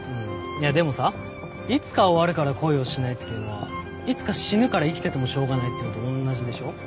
いやでもさいつか終わるから恋をしないっていうのはいつか死ぬから生きててもしょうがないっていうのと同じでしょ。